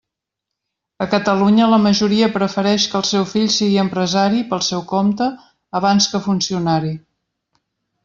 A Catalunya, la majoria prefereix que el seu fill sigui empresari pel seu compte abans que funcionari.